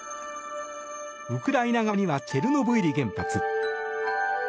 ウクライナ側にはチェルノブイリ原発。